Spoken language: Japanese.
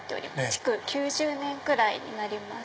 築９０年くらいになります。